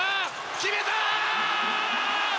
決めた！